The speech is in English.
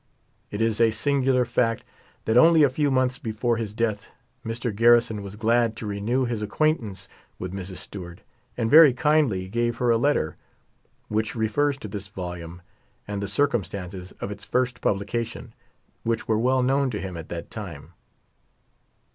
It is 11 a singular fact that only a few months before his death Mr. Garrison was glad to renew his acquaintance with Mrs. Stewart, and very kindly gave her a letter which re fers to this volume and the circumstances of its first pub lication, which were well known to him at that time.